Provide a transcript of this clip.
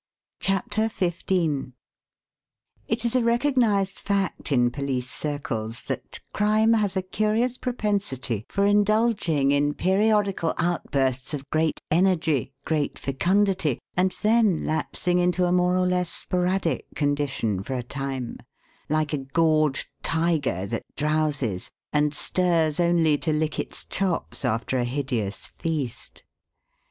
CHAPTER XV It is a recognized fact in police circles that crime has a curious propensity for indulging in periodical outbursts of great energy, great fecundity, and then lapsing into a more or less sporadic condition for a time like a gorged tiger that drowses, and stirs only to lick its chops after a hideous feast.